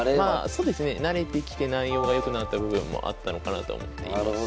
そうですね慣れてきて内容が良くなった部分もあったのかなと思っています。